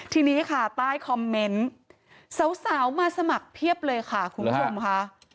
ทีนี้ค่ะใต้คอมเมนต์สาวมาสมัครเพียบเลยค่ะคุณผู้ชมค่ะ